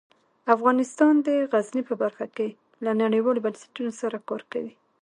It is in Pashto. افغانستان د غزني په برخه کې له نړیوالو بنسټونو سره کار کوي.